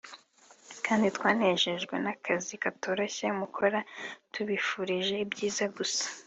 kandi twanejejwe n’ akazi katoroshye mukora tubifurije ibyiza gusa